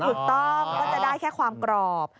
ถูกต้องก็จะได้แค่ความกรอบ